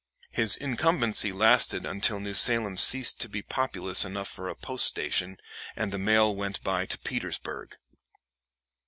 His incumbency lasted until New Salem ceased to be populous enough for a post station and the mail went by to Petersburg.